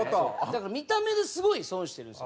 だから見た目ですごい損してるんですよ。